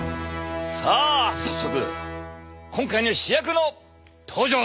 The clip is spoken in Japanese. さあ早速今回の主役の登場だ！